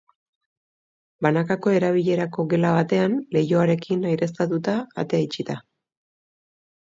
Banakako erabilerako gela batean, leihoarekin, aireztatuta, atea itxita.